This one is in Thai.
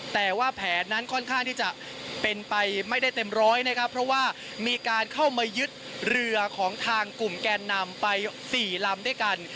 แต่ว่าแผนนั้นค่อนข้างที่จะเป็นไปไม่ได้เต็มร้อยนะครับเพราะว่ามีการเข้ามายึดเรือของทางกลุ่มแกนนำไป๔ลำด้วยกัน